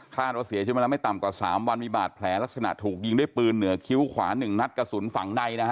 ว่าเสียชีวิตมาแล้วไม่ต่ำกว่า๓วันมีบาดแผลลักษณะถูกยิงด้วยปืนเหนือคิ้วขวา๑นัดกระสุนฝั่งในนะฮะ